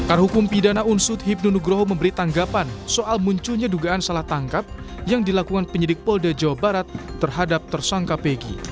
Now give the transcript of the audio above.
akar hukum pidana unsut hibnu nugroho memberi tanggapan soal munculnya dugaan salah tangkap yang dilakukan penyidik polda jawa barat terhadap tersangka pg